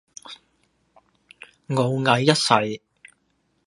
傲睨一世